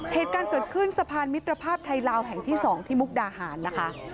เหตุการณ์เกิดขึ้นสะพานมิตรภาพไทยลาวแห่งที่๒ที่มุกดาหารนะคะ